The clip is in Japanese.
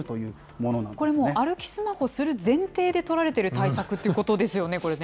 これ、もう、歩きスマホする前提で、取られてる対策ということですよね、これね。